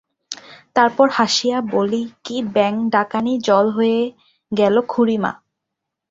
তারপর হাসিয়া বলি-কি ব্যাঙ-ডাকানি জল হয়ে গেল খুড়িমা!